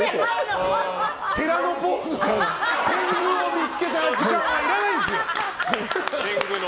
寺の坊主が天狗を見つけた時間はいらないんですよ！